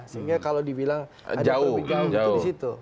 sehingga kalau dibilang ada perbedaan itu disitu